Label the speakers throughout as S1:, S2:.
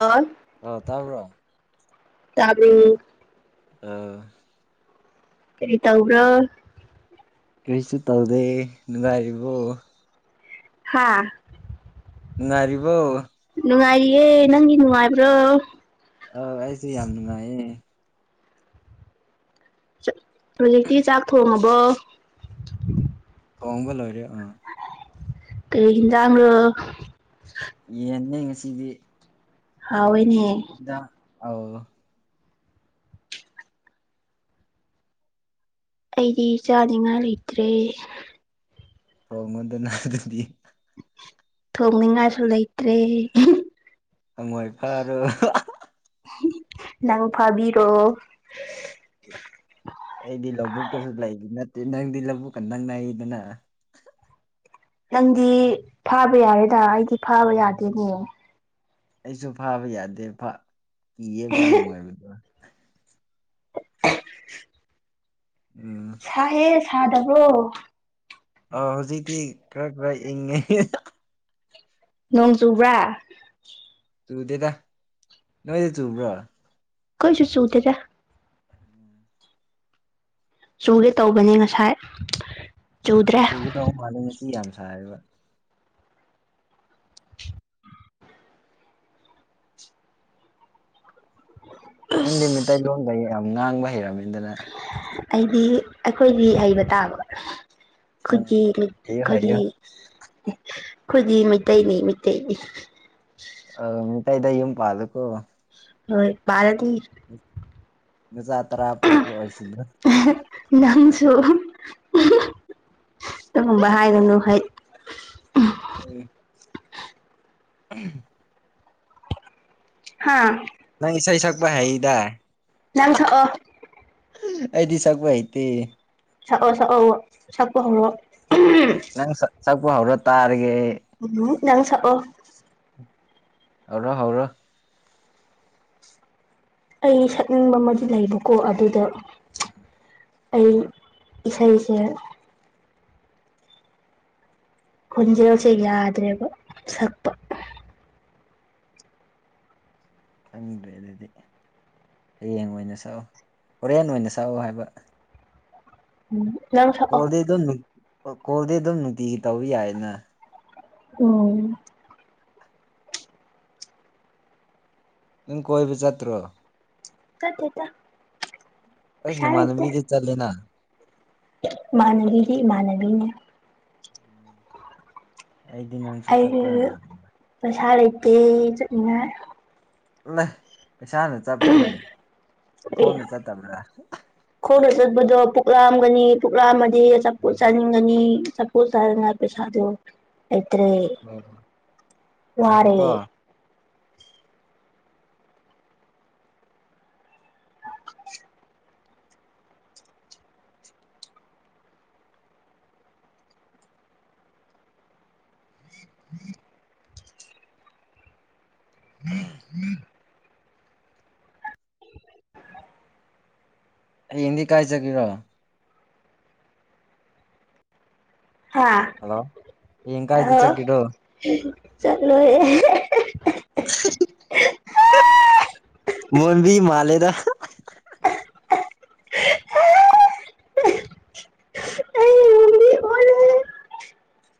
S1: ꯑ
S2: ꯑ ꯇꯥꯕ꯭ꯔꯣ
S1: ꯇꯕ꯭ꯔꯣ
S2: ꯑ
S1: ꯀꯩ ꯇꯧꯕ꯭ꯔꯣ
S2: ꯀꯔꯤꯁꯨ ꯇꯧꯗꯦ ꯅꯨꯡꯉꯥꯏꯔꯤꯕꯣ
S1: ꯍꯥꯥ
S2: ꯅꯨꯡꯉꯥꯏꯔꯤꯕꯣ
S1: ꯅꯨꯡꯉꯥꯏꯔꯤꯌꯦ ꯅꯪꯒꯤ ꯅꯨꯡꯉꯥꯏꯕ꯭ꯔꯣ
S2: ꯑ ꯑꯩꯁꯦ ꯌꯥꯝ ꯅꯨꯡꯉꯥꯏꯌꯦ
S1: ꯍꯧꯖꯤꯛꯇꯤ ꯆꯥꯛ ꯊꯣꯡꯉꯕꯣ
S2: ꯇꯣꯡꯕꯂꯣꯔꯦ
S1: ꯀꯣ [unintelligible]
S2: ꯌꯦꯟꯅꯩ ꯉꯁꯤꯗꯤ
S1: ꯍꯥꯎꯋꯦꯅꯦ
S2: ꯑꯥꯎ
S1: ꯑꯩꯗꯤ ꯆꯥꯅꯤꯡꯉꯥ ꯂꯩꯇ꯭ꯔꯦ
S2: ꯇꯉꯣꯟꯗꯅꯗꯤ
S1: ꯊꯣꯡꯅꯤꯡꯉꯥꯏꯁꯨ ꯂꯩꯇ꯭ꯔꯦ
S2: ꯍꯣꯏ ꯐꯔꯣ
S1: ꯅꯪ ꯐꯥꯕꯤꯔꯣ
S2: ꯑꯩꯗꯤ ꯂꯧꯕꯨꯛꯇꯁꯨ ꯂꯩꯗꯤ ꯅꯠꯇꯦ ꯅꯪꯗꯤ ꯂꯧꯕꯨꯛꯀ ꯅꯛꯅꯩꯗꯅ
S1: ꯅꯪꯗꯤ ꯐꯥꯕ ꯌꯥꯔꯦꯗ ꯑꯩꯗꯤ ꯐꯥꯕ ꯌꯥꯗꯦꯅꯦ
S2: ꯑꯩꯁꯨ ꯐꯥꯕ ꯌꯥꯗꯦꯄ ꯀꯤꯌꯦꯕ ꯍꯪꯉꯣꯏꯕꯗꯨ
S1: [inaudible]
S2: ꯎꯝ
S1: ꯁꯥꯏꯌꯦ ꯁꯥꯗꯕ꯭ꯔꯣ
S2: ꯑꯣ ꯍꯧꯖꯤꯛꯇꯤ ꯈꯔ ꯈꯔ ꯏꯪꯉꯦ
S1: ꯅꯣꯡ ꯆꯨꯕ꯭ꯔꯥ
S2: ꯆꯨꯗꯦꯗ ꯅꯣꯏꯗꯤ ꯆꯨꯕ꯭ꯔꯣ
S1: ꯀꯩꯁꯨ ꯆꯨꯗꯦꯗ ꯆꯨꯒꯦ ꯇꯧꯕꯅꯤ ꯉꯁꯥꯏ ꯆꯨꯗ꯭ꯔꯦ
S2: ꯆꯨꯒꯗꯧ ꯃꯥꯜꯂꯦ ꯑꯁꯤ ꯌꯥꯝ ꯁꯥꯌꯦꯕ ꯅꯪꯗꯤ ꯃꯩꯇꯩꯂꯣꯟꯒ ꯌꯥꯝ ꯉꯥꯡꯕ ꯍꯩꯔꯝꯃꯦ
S1: ꯑꯩꯗꯤ ꯑꯩꯈꯣꯏꯗꯤ ꯍꯩꯕ ꯇꯥꯕ ꯈꯨꯗꯤ
S2: ꯎꯝ ꯍꯩꯌꯨ
S1: ꯈꯨꯗꯤ
S2: ꯍꯩꯌꯨ
S1: ꯈꯣꯏꯗꯤ ꯃꯩꯇꯩꯅꯦ ꯃꯩꯇꯩꯅꯦ
S2: ꯑ ꯃꯤꯇꯩꯗ ꯌꯨꯝ ꯄꯥꯂꯨꯀꯣ
S1: ꯍꯣꯏ ꯄꯥꯜꯂꯗꯤ
S2: ꯅꯆꯥ ꯇꯔꯥ ꯄꯣꯛꯄ ꯑꯣꯏꯁꯅꯨ
S1: ꯇꯨ ꯗꯨꯒꯨꯝꯕ ꯍꯥꯏꯒꯅꯨ ꯍꯩꯠ
S2: ꯎꯝ [inaudible]
S1: ꯍꯥꯥ
S2: ꯅꯪ ꯏꯁꯩ ꯁꯛꯄ ꯍꯩꯗꯥꯢ
S1: ꯅꯪ ꯁꯛꯑꯣ
S2: ꯑꯩꯗꯤ ꯁꯛꯄ ꯍꯩꯇꯦ
S1: ꯁꯛꯑꯣ ꯁꯛꯑꯣ ꯁꯛꯄ ꯍꯧꯔꯣ ꯎꯝ
S2: ꯅꯪ ꯁꯛ ꯁꯛꯄ ꯍꯧꯔꯣ ꯇꯥꯔꯒꯦ ꯑꯩ
S1: ꯅꯪ ꯁꯛꯑꯣ
S2: ꯍꯧꯔꯣ ꯍꯧꯔꯣ
S1: ꯑꯩ ꯁꯛꯅꯤꯡꯕ ꯑꯃꯗꯤ ꯂꯩꯕꯀꯣ ꯑꯗꯨꯗ ꯑꯩ ꯏꯁꯩꯁꯦ ꯈꯣꯟꯖꯦꯜꯁꯦ ꯌꯥꯗ꯭ꯔꯦꯕ ꯁꯛꯄ
S2: ꯈꯪꯗ꯭ꯔꯦ ꯑꯗꯨꯗꯤ ꯍꯌꯦꯡ ꯑꯣꯏꯅ ꯁꯛꯑꯣ ꯍꯣꯔꯦꯟ ꯑꯣꯏꯅ ꯁꯛꯑꯣ ꯍꯥꯏꯕ
S1: ꯎꯝ ꯅꯪ ꯁꯛꯑꯣ
S2: ꯀꯣꯜꯗꯤ ꯑꯗꯨꯝ ꯅꯨꯡ ꯀꯣꯜꯗꯤ ꯑꯗꯨꯝ ꯅꯨꯡꯇꯤꯒꯤ ꯇꯧꯕ ꯌꯥꯏꯅ
S1: ꯎꯝ
S2: ꯅꯪ ꯀꯣꯏꯕ ꯆꯠꯇ꯭ꯔꯣ
S1: ꯆꯠꯇꯦꯇ
S2: ꯑꯩꯠ ꯅꯃꯥꯟꯅꯕꯤꯗꯤ ꯆꯠꯂꯦꯅ
S1: ꯢꯃꯥꯟꯅꯕꯤꯒꯤ ꯏꯃꯥꯟꯅꯕꯤꯅꯦ
S2: ꯑꯩꯗꯤ ꯅꯪꯁꯨ ꯆꯠꯄ꯭ꯔꯥꯅ ꯍꯪꯕ
S1: ꯇꯦ ꯆꯠꯅꯤꯉꯥꯏ
S2: ꯢꯃꯥ ꯅꯁꯥꯅ ꯆꯠꯄ꯭ꯔꯣꯅꯦ ꯈꯣꯡꯅ ꯆꯠꯇꯕ꯭ꯔꯥ
S1: ꯈꯣꯡꯅ ꯆꯠꯄꯗꯣ ꯄꯨꯛꯂꯥꯝꯒꯅꯤ ꯄꯨꯛꯂꯥꯝꯃꯗꯤ ꯑꯆꯥꯄꯨꯠ ꯆꯥꯅꯤꯡꯒꯅꯤ ꯆꯥꯄꯣꯠ ꯆꯔꯥꯉꯥꯏ ꯄꯩꯁꯥꯗꯣ ꯂꯩꯇꯔꯦ
S2: ꯑꯣ
S1: ꯋꯥꯔꯦ
S2: ꯉꯥꯏꯈꯣꯀꯣ
S1: [unintelligible]
S2: ꯍꯌꯦꯡꯗꯤ ꯀꯥꯏ ꯆꯠꯀꯦꯔꯣ
S1: ꯍꯥꯥ
S2: ꯍꯜꯂꯣ ꯍꯌꯦꯡ ꯀꯥꯏꯗ
S1: ꯍꯜꯂꯣ
S2: ꯆꯠꯀꯦꯔꯣ
S1: ꯆꯠꯂꯣꯏ
S2: ꯃꯣꯟꯕꯤ ꯃꯥꯂꯦꯗ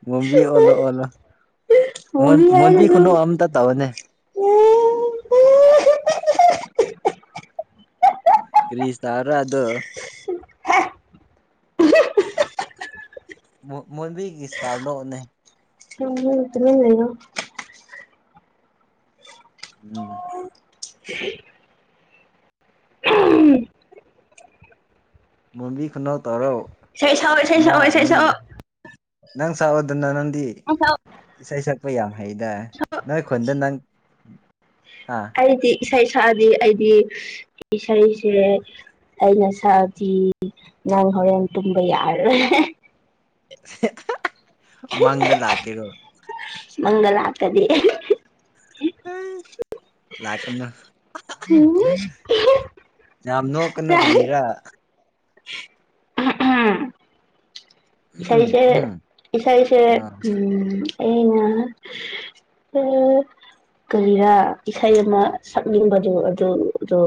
S2: ꯃꯣꯟꯕꯤ ꯑꯣꯂꯣ
S1: ꯃꯨꯚꯤ
S2: ꯃꯣꯟꯕꯤ
S1: ꯍꯥꯏꯒꯅꯨ
S2: ꯈꯨꯅꯣꯛꯛ ꯑꯝꯇ ꯇꯥꯕꯅꯦ [inaudible] ꯀ꯭ꯔꯤꯁꯔ ꯑ ꯑꯗꯨ ꯃꯣ ꯃꯣꯝꯕꯤꯒꯤ ꯏꯁꯇꯥꯜ ꯗꯣꯅꯦ
S1: ꯇꯨꯃꯤꯟ ꯂꯩꯌꯣ
S2: ꯎꯝ ꯃꯝꯕꯤ ꯈꯨꯅꯥꯎ ꯇꯥꯔꯣ
S1: ꯏꯁꯩ ꯁꯛ ꯑꯣ ꯏꯁꯩ ꯁꯛ ꯑꯣ ꯏꯁꯩ ꯁꯛ ꯑꯣ
S2: ꯅꯪ ꯁꯛ ꯑꯣꯗꯅ ꯅꯪꯗꯤ ꯏꯁꯩꯁꯛ ꯂꯄ ꯌꯥꯝ ꯍꯩꯗ ꯅꯣꯏ ꯈꯨꯟꯗ ꯅꯪ ꯍꯥ
S1: ꯑꯩꯗꯤ ꯏꯁꯩ ꯁꯛꯑꯗꯤ ꯑꯩꯗꯤ ꯏꯁꯩꯁꯦ ꯑꯩꯅ ꯁꯥꯥꯛꯗꯤ ꯉꯥꯡ ꯍꯣꯔꯦꯟ ꯇꯨꯝꯕ ꯌꯥꯔꯣꯏ
S2: ꯍꯥ ꯍꯥ ꯃꯪꯗ ꯂꯥꯛꯀꯦꯔꯣ
S1: ꯃꯪꯂꯥꯀꯗꯤ [unintelligible]
S2: ꯂꯥꯛꯀꯅꯨ
S1: [unintelligible]
S2: ꯌꯥꯝ ꯅꯣꯀꯅꯨ ꯀꯔꯤꯔ ꯎꯝ
S1: ꯏꯁꯩꯁꯦ
S2: ꯍꯨꯝ
S1: ꯏꯁꯩꯁꯦ
S2: ꯑꯥ
S1: ꯎꯝ ꯑꯩꯅ [unintelligible] ꯀꯔꯤꯔꯥ ꯏꯁꯩ ꯑꯃ ꯁꯛꯅꯤꯡꯕꯗꯣ ꯑꯗꯨꯗꯣ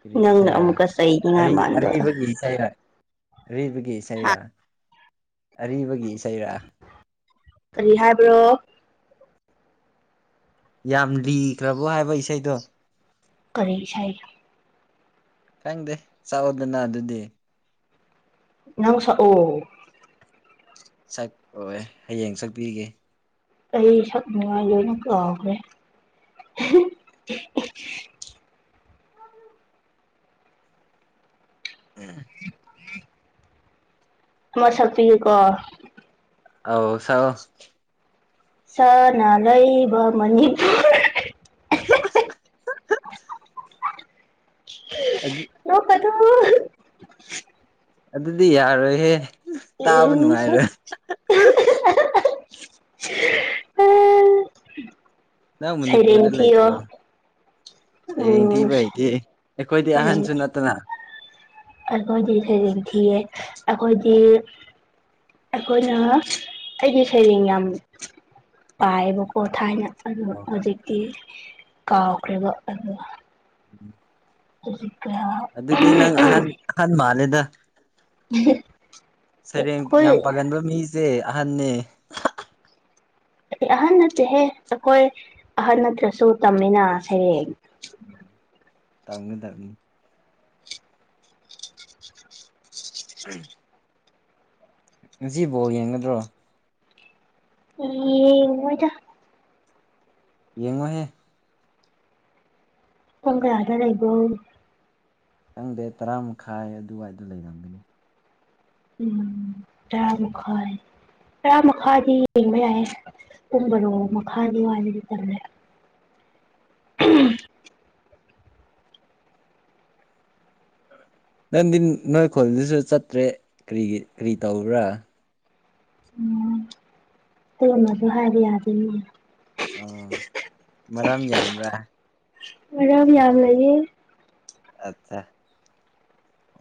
S2: ꯀꯔꯤ
S1: ꯅꯪꯅ
S2: ꯏꯁꯩꯔꯥ
S1: ꯑꯃꯨꯛꯀ ꯁꯅꯤꯡꯉꯥꯏ
S2: ꯑꯔꯤ
S1: ꯃꯥꯟꯕ
S2: ꯑꯔꯤꯕꯒꯤ ꯏꯁꯩꯔꯥ ꯑꯔꯤꯕꯒꯤ ꯏꯁꯩꯔꯥ ꯑꯔꯤꯕꯒꯤ ꯏꯁꯩꯔꯥ
S1: ꯀꯔꯤ ꯍꯥꯏꯕ꯭ꯔꯣ
S2: ꯌꯥꯝ ꯂꯤꯈ꯭ꯔꯕꯣ ꯍꯥꯏꯕ ꯏꯁꯩꯗꯣ
S1: ꯀꯔꯤ ꯏꯁꯩ
S2: ꯈꯪꯗꯦ ꯆꯥꯛꯑꯣꯗꯅ ꯑꯗꯨꯗꯤ
S1: ꯅꯪ ꯁꯛ ꯑꯣ
S2: ꯁꯛ ꯑꯣꯏ ꯍꯌꯦꯡ ꯁꯛꯄꯤꯒꯦ
S1: ꯑꯩ ꯁꯛꯅꯤꯉꯥꯏ ꯂꯣꯏꯅ ꯀꯥꯎꯈ꯭ꯔꯦ ꯍꯦ ꯍꯦ ꯍꯦ
S2: ꯎꯝ
S1: ꯑꯃ ꯁꯛꯄꯤꯌꯨꯀꯣ
S2: ꯑꯥꯎ ꯁꯥꯛ ꯑꯣ
S1: ꯁꯅꯥ ꯂꯩꯩꯕꯥꯛ ꯃꯅꯤꯄꯨꯔ
S2: ꯍꯥ ꯍꯥ ꯍꯥ ꯍꯥ ꯑꯗꯤ
S1: [unintelligible]
S2: ꯑꯗꯨꯗꯤ ꯌꯥꯔꯣꯏꯍꯦ ꯇꯥꯕ
S1: ꯎꯝ
S2: ꯅꯨꯡꯉꯥꯏꯔꯣꯏ
S1: ꯍꯦ ꯍꯦ ꯍꯦ
S2: ꯅ
S1: ꯁꯩꯔꯦꯡ
S2: ꯃꯅꯤꯄꯨꯔꯗ
S1: ꯊꯤꯌꯣ
S2: ꯂꯩꯇ꯭ꯔꯣ ꯁꯩꯔꯦꯡ
S1: ꯎꯝ
S2: ꯊꯤꯕ ꯍꯩꯗꯤꯦ ꯑꯩꯈꯣꯏꯗꯤ
S1: ꯁꯩꯔꯦꯡ
S2: ꯑꯍꯟꯁꯨ ꯅꯠꯇꯅ
S1: ꯑꯩꯈꯣꯏꯗꯤ ꯁꯩꯔꯦꯡ ꯊꯤꯌꯦ ꯑꯩꯈꯣꯏꯗꯤ ꯑꯩꯈꯣꯏꯅ ꯑꯩꯒꯤ ꯁꯩꯔꯦꯡ ꯌꯥꯝ ꯄꯥꯏꯌꯦꯕꯀꯣ ꯊꯥꯏꯅ ꯑꯗꯨ ꯍꯧꯖꯤꯛꯇꯤ ꯀꯥꯎꯈ꯭ꯔꯦꯕ ꯑꯣ
S2: ꯎꯝ
S1: [inaudible]
S2: ꯑꯗꯨꯗꯗꯤ ꯅꯪ ꯑꯍꯜ ꯑꯍꯜ ꯃꯥꯂꯦꯗ
S1: ꯑꯥꯍꯦ
S2: ꯁꯩꯔꯦꯡ ꯌꯥꯝ ꯄꯥꯒꯟꯕ ꯃꯤꯁꯦ ꯑꯍꯟꯅꯅꯦ
S1: ꯑꯍꯟ ꯅꯠꯇꯦꯍꯦ ꯑꯩꯈꯣꯏ ꯑꯍꯟ ꯅꯠꯇ꯭ꯔꯁꯨ ꯇꯝꯃꯤꯅ ꯁꯩꯔꯦꯡ
S2: ꯇꯝꯒ ꯗꯥꯞꯅꯤ ꯎꯝ ꯖꯤꯕꯣ ꯌꯦꯡꯒꯗ꯭ꯔꯣ
S1: ꯌꯦꯡꯉꯣꯏꯗ
S2: ꯌꯦꯡꯑꯣꯍꯦ
S1: ꯀꯒ ꯑꯔ ꯂꯩ ꯂꯩꯕꯣ
S2: ꯆꯪꯗꯦ ꯇꯔꯥ ꯃꯈꯥꯏ ꯑꯗꯨꯋꯥꯏꯗ ꯂꯩꯔꯝꯒꯅꯤ
S1: ꯎꯝ ꯇꯔꯥ ꯇꯔꯥꯥ ꯄꯨꯝꯕꯔꯣ ꯃꯈꯥꯗꯣ ꯍꯥꯏꯅꯗꯤ ꯇꯝꯂꯦ [unintelligible]
S2: ꯅꯪꯗꯤ ꯅꯣꯏ ꯈꯨꯜꯗꯨꯁꯨ ꯆꯠꯇ꯭ꯔꯦ ꯀꯔꯤ ꯀꯔꯤ ꯇꯧꯕ꯭ꯔꯥ
S1: ꯎꯝ ꯇꯃꯁꯨ ꯍꯥꯏꯔ ꯌꯥꯔ
S2: ꯑꯣ ꯃꯔꯝ ꯌꯥꯝ꯭ꯔꯥ
S1: ꯃꯔꯝ ꯌꯥꯝ ꯂꯩꯌꯦ
S2: ꯑꯠꯆꯥ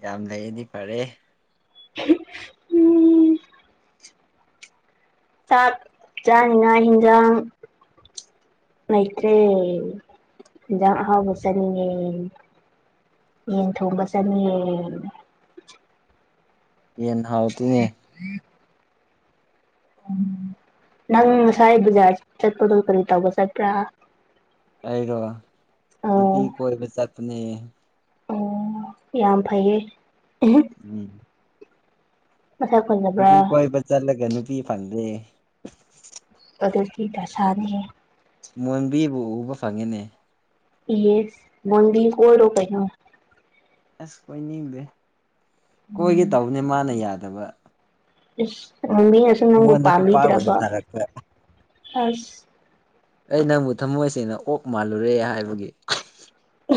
S2: ꯌꯥꯝ ꯂꯩꯗꯤ ꯐꯔꯦ
S1: ꯎꯝ ꯆꯥꯛ ꯆꯥꯅꯤꯅ ꯍꯟꯖꯥꯡ ꯑꯥꯏꯇ꯭ꯔꯦꯖ
S2: ꯎꯝ
S1: ꯍꯕ ꯆꯅꯤꯉꯦ ꯌꯦꯟ ꯊꯣꯡꯕ ꯆꯪꯉꯦ
S2: ꯌꯦꯟ ꯍꯥꯎꯇꯅꯦ
S1: ꯎ ꯅꯪ ꯉꯁꯥꯏ ꯕꯖꯥꯔ ꯆꯠꯄꯗꯣ ꯀꯔꯤ ꯇꯧꯕ ꯆꯠꯄ꯭ꯔꯥ
S2: ꯑꯩꯔꯣ ꯅꯨꯄꯤ
S1: ꯑꯣ
S2: ꯀꯣꯏꯕ ꯆꯠꯄꯅꯦ
S1: ꯑꯣ ꯌꯥꯝ ꯐꯩꯌꯦ
S2: ꯎꯝ
S1: ꯃꯁꯛ ꯐꯖꯕ꯭ꯔꯥ
S2: ꯅꯨꯄꯤ ꯀꯏꯕ ꯆꯔꯂꯒꯅꯄꯤ ꯐꯪꯗ
S1: ꯑꯗꯨꯗꯨ ꯀ ꯇꯁꯥꯅꯤ
S2: ꯃꯣꯟꯕꯤꯕꯨ ꯎꯕ ꯐꯪꯉꯤꯅꯦ
S1: ꯏꯁ ꯃꯗꯤ ꯀꯣꯏꯔꯣ ꯀꯩꯅꯣ
S2: ꯑꯁ ꯀꯣꯏꯅꯤꯡꯗꯦ ꯀꯣꯏꯒꯦ ꯇꯧꯅꯦ ꯃꯥꯅ ꯌꯥꯗꯕ
S1: [unintelligible] ꯅꯪꯕꯨ
S2: ꯑꯩꯉꯣꯟꯗ ꯈꯨꯄꯥꯛ ꯑꯣꯏꯅ
S1: ꯄꯥꯝꯕꯤꯗ꯭ꯔꯕꯣ
S2: ꯇꯥꯔꯛꯄ
S1: ꯑꯁ
S2: ꯑꯩ ꯅꯪꯕꯨ ꯊꯝꯃꯣꯏꯁꯦꯡꯅ ꯑꯣꯛ ꯃꯥꯜꯂꯨꯔꯦ ꯍꯥꯏꯕꯒꯤ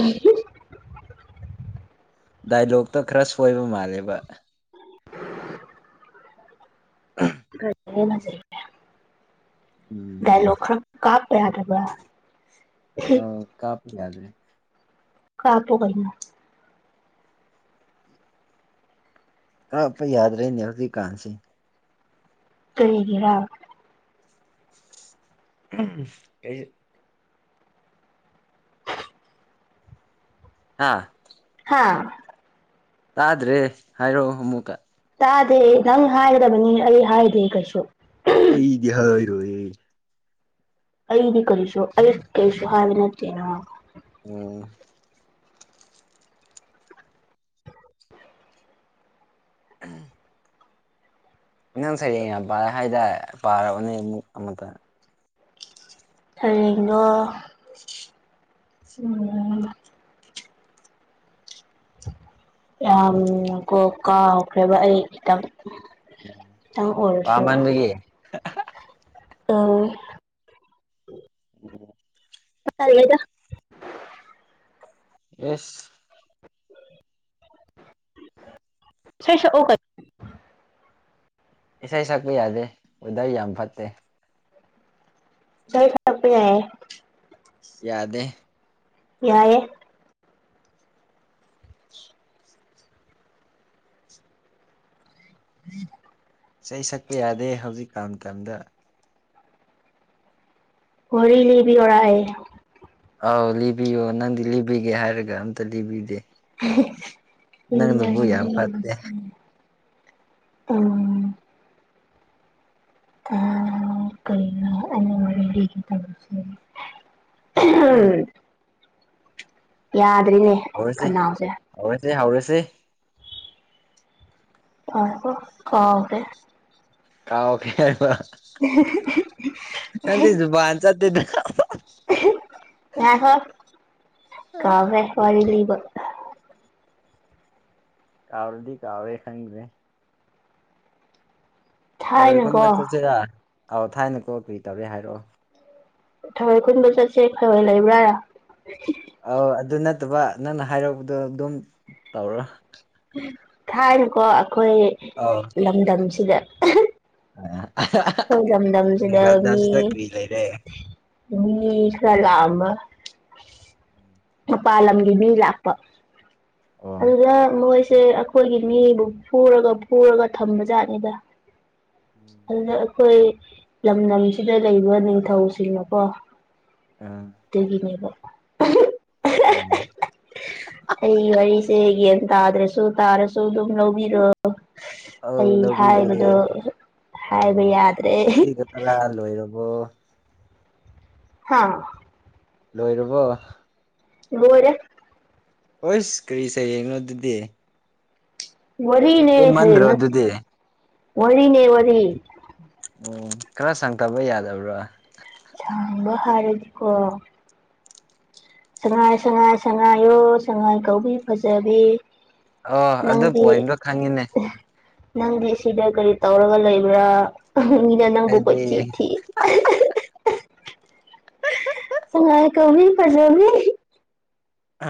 S1: [inaudible]
S2: ꯗꯥꯏꯂꯣꯛꯇ ꯈꯔ ꯁꯣꯏꯕ ꯃꯥꯜꯂꯦꯕ
S1: ꯀꯅ ꯆ [unintelligible]
S2: ꯎꯝ
S1: ꯗꯥꯏꯂꯣꯛ ꯈꯔ ꯀꯥꯞꯄ ꯌꯥꯗꯕ꯭ꯔꯥ
S2: ꯌꯥꯗꯔꯤ
S1: ꯀꯥꯄ ꯀꯅ
S2: ꯑ ꯌꯥꯗ ꯔꯅꯦ ꯍꯧꯗꯤ ꯀꯥꯟꯁꯤ
S1: ꯇꯔꯒꯔꯥ
S2: ꯀꯩ ꯍꯥꯥ
S1: ꯍꯥꯥ
S2: ꯇꯥꯗ꯭ꯔꯦ ꯍꯥꯏꯔꯛꯑꯣ ꯑꯃꯨꯛꯀ
S1: ꯇꯥꯗꯦ ꯅꯪ ꯍꯥꯏꯕꯅꯤ ꯑꯩ ꯍꯥꯏꯗꯦ ꯀꯩꯁꯨ
S2: ꯑꯩꯗꯤ ꯍ ꯑꯣꯏꯔꯣꯏ
S1: ꯑꯩꯗꯤ ꯀꯔꯤꯁ ꯑꯩ ꯀꯩꯁꯣ ꯍꯥꯏꯕ ꯅꯠꯇꯦꯅ
S2: ꯎꯝ ꯎꯝ ꯅ ꯅꯪ ꯁꯩꯔꯦꯡ ꯌꯥꯝ ꯄꯥꯔꯦ ꯍꯥꯏꯇꯥꯔꯦ ꯄꯥꯔꯛꯑꯅꯦ ꯑꯃꯇ
S1: ꯇꯔꯦꯡꯂꯣ ꯎꯝ ꯌꯥꯝ ꯀꯣ ꯀꯥꯎꯈ꯭ꯔꯦꯕ ꯑꯩ ꯈꯤꯇꯪ ꯑ ꯑꯣꯏꯔꯁꯨ
S2: ꯄꯥꯝꯃꯟꯕꯒꯤ
S1: ꯑꯥ
S2: [inaudible]
S1: ꯇꯜꯂꯦꯗ
S2: ꯑꯦꯁ
S1: ꯏꯁꯩ ꯁꯛꯑꯣ ꯀꯩ
S2: ꯏꯁꯩ ꯁꯛꯄ ꯌꯥꯗꯦ ꯋꯦꯗꯔ ꯌꯥꯝ ꯐꯠꯇꯦ
S1: ꯏꯁꯩ ꯁꯛꯄ ꯌꯥꯏꯌꯦ
S2: ꯌꯥꯗꯦ
S1: ꯌꯥꯏꯌꯦ [unintelligible] [unintelligible]
S2: ꯏꯁꯩ ꯁꯛꯄ ꯌꯥꯗꯦ ꯍꯧꯖꯤꯛꯀꯥꯟ ꯃꯇꯝꯗ
S1: ꯋꯥꯔꯤ ꯂꯤꯕꯤ ꯌꯣꯔꯥ ꯑꯩ
S2: ꯑꯧ ꯂꯤꯕꯤꯌꯣ ꯅꯪꯗꯤ ꯂꯤꯕꯤꯒꯦ ꯍꯥꯏꯔꯒ ꯑꯝꯇ ꯂꯤꯕꯤꯗꯦ ꯅꯪꯅꯕꯨ ꯌꯥꯝ ꯐꯠꯇꯦ
S1: [unintelligible] ꯑꯝ ꯑꯥ ꯀꯩꯅꯣ ꯑꯩꯅ ꯋꯥꯔꯤ ꯂꯤꯒꯦ ꯇꯧꯕꯖꯤ ꯑꯍꯝ ꯌꯥꯗ꯭ꯔꯦꯅꯦ
S2: ꯍꯧꯔꯁꯦ
S1: ꯈꯅꯥꯎꯁꯦ
S2: ꯍꯧꯔꯁꯦ ꯍꯧꯔꯁꯦ
S1: ꯉꯥꯏꯈꯣ ꯀꯥꯎꯈ꯭ꯔꯦ
S2: ꯀꯥꯎꯈ꯭ꯔꯦꯕ ꯅꯪꯗꯤ ꯖꯨꯕꯥꯥꯟ ꯆꯠꯇꯦꯗ [unintelligible]
S1: ꯉꯥꯢꯈꯣ ꯀꯥꯎꯈꯔꯦ ꯋꯥꯔꯤ ꯂꯤꯕ
S2: ꯀꯥꯎꯔꯗꯤ ꯀꯥꯎꯔꯦ ꯈꯪꯗꯦ ꯊꯔꯣꯏ ꯈꯨꯟꯕ
S1: ꯊꯥꯏꯅꯀꯣ
S2: ꯆꯠꯁꯤꯔ ꯑꯥꯎ ꯊꯥꯏꯅ ꯀꯣ ꯀꯔꯤ ꯇꯧꯔꯦ ꯍꯥꯏꯔꯛꯑꯣ
S1: ꯊꯔꯣꯏ ꯈꯨꯨꯟꯕ ꯆꯠꯁꯦ ꯊꯔꯣꯏ ꯂꯩꯕ꯭ꯔꯥ
S2: ꯑꯧ ꯑꯗꯨ ꯅꯠꯇꯕ ꯅꯪꯅ ꯍꯥꯏꯔꯛꯄꯗꯣ ꯑꯗꯨꯝ ꯇꯧꯔꯣ
S1: ꯊꯥꯏꯅꯀꯣ ꯑꯈꯣꯏ
S2: ꯑꯧ
S1: ꯂꯝꯗꯝꯁꯤꯗ ꯍꯣꯏ ꯂꯝꯗꯝꯁꯤꯗ ꯃꯤ
S2: ꯂꯟꯗꯟꯁꯤꯗ ꯀꯔꯤ ꯂꯩꯔꯦ
S1: ꯃꯤ ꯈꯔ ꯂꯥꯛꯑꯝꯕ ꯃꯄꯥꯜ ꯂꯝꯒꯤ ꯃꯤ ꯂꯥꯛꯄ
S2: ꯑꯣ
S1: ꯑꯗꯨꯗ ꯃꯣꯏꯁꯦ ꯇꯦ ꯑꯈꯣꯏꯒꯤ ꯃꯤꯕꯨ ꯐꯨꯔꯒ ꯐꯨꯔꯒ ꯊꯝꯕ ꯖꯥꯠꯅꯤꯗ ꯑꯗꯨꯗ ꯑꯩꯈꯣꯏ ꯂꯝꯗꯝꯁꯤꯗ ꯂꯩꯕ ꯅꯤꯡꯊꯧꯁꯤꯡꯅꯀꯣ
S2: ꯑ
S1: ꯑꯗꯨꯒꯤꯅꯦꯕ ꯎꯝ ꯍꯨꯝ ꯑꯩ ꯋꯥꯔꯤꯁꯦ ꯌꯦꯟ ꯇꯥꯗ꯭ꯔꯦꯁꯨ ꯇꯥꯔꯁꯨ ꯑꯗꯨꯝ ꯂꯧꯕꯤꯔꯣ
S2: ꯑꯧ
S1: ꯑꯩ
S2: ꯂꯧꯕꯤꯒꯦ
S1: ꯍꯥꯏꯕꯗꯣ ꯍꯥꯏꯕ
S2: ꯑꯧ
S1: ꯌꯥꯗ꯭ꯔꯦ
S2: ꯑꯁꯤꯒ ꯇꯔꯥ ꯂꯣꯏꯔꯕꯣ
S1: ꯍꯥ
S2: ꯂꯣꯏꯔꯕꯣ
S1: ꯂꯣꯏꯔꯦ
S2: ꯍꯨꯁ ꯀꯔꯤ ꯁꯩꯔꯦꯡꯅꯣ ꯑꯗꯨꯗꯤ
S1: ꯋꯥꯔꯤꯅꯦ
S2: ꯇꯦꯟꯃꯟꯗ꯭ꯔꯣ ꯑꯗꯨꯗꯤ
S1: ꯋꯥꯔꯤꯅꯦ ꯋꯥꯔꯤ
S2: ꯎꯝ ꯈꯔ ꯁꯪꯊꯕ ꯌꯥꯗꯕ꯭ꯔꯥ
S1: ꯁꯥꯡꯕ ꯍꯥꯏꯔꯗꯤꯀꯣ ꯁꯉꯥꯏ ꯁꯉꯥꯏ ꯁꯉꯥꯏꯌꯣ ꯁꯉꯥꯏ ꯀꯧꯕꯤ ꯐꯖꯕꯤ
S2: ꯑꯣ ꯑꯗꯣ
S1: ꯅꯪꯗꯤ
S2: ꯄꯣꯏꯟꯗꯣ ꯈꯪꯉꯤꯅꯦ
S1: ꯅꯪꯗꯤ ꯁꯤꯗ ꯀꯔꯤ ꯇꯧꯔꯒ ꯂꯩꯕ꯭ꯔꯥ ꯃꯤꯅ ꯅꯪꯕꯨ ꯀꯣꯏꯊꯤ
S2: ꯑꯩꯗꯤ
S1: ꯊꯤ ꯁꯉꯥꯏ ꯀꯧꯕꯤ ꯐꯖꯕꯤ